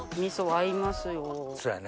味噌合いますよ。